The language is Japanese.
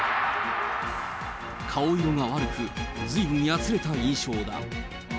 顔色が悪く、ずいぶんやつれた印象だ。